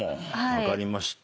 分かりました。